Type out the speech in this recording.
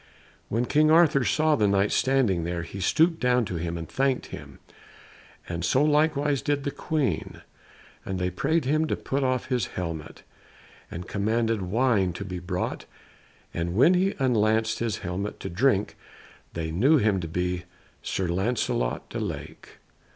When King Arthur saw the Knight standing there he stooped down to him and thanked him, and so likewise did the Queen; and they prayed him to put off his helmet, and commanded wine to be brought, and when he unlaced his helmet to drink they knew him to be Sir Lancelot du Lake.